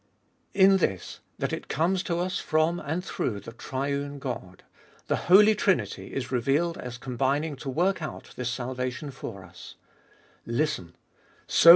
In this that it comes to us from and through THE TRIUNE GOD ; the Holy Trinity is revealed as combining to work out this salvation for us. Listen.